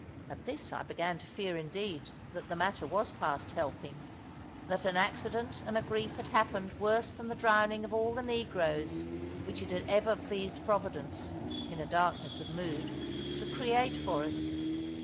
At this I began to fear indeed that the matter was past helping that an accident and a grief had happened worse than the drowning of all the negroes, which it has ever pleased Providence (in a darkness of mood) to create for us.